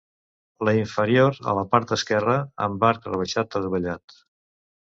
La inferior a la part esquerra, amb arc rebaixat adovellat.